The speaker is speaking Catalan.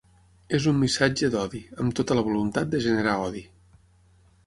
És un missatge d’odi, amb tota la voluntat de generar odi.